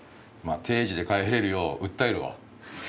まあ定時で帰れるよう訴えるわ。